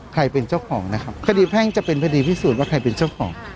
ใครเป็นเจ้าของนะครับคดีแพ่งจะเป็นคดีพิสูจน์ว่าใครเป็นเจ้าของ